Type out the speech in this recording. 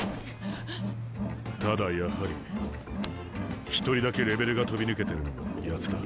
ただやはり一人だけレベルが飛び抜けてるのがやつだ。